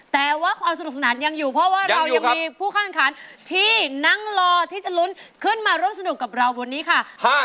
แต่ว่าความสนุกสนานยังอยู่เพราะว่าเรายังมีผู้ข้างขันที่นั่งรอที่จะลุ้นขึ้นมาร่วมสนุกกับเราบนนี้ค่ะ